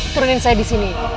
turunin saya disini